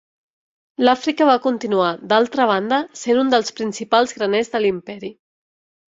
L'Àfrica va continuar, d'altra banda, sent un dels principals graners de l'imperi.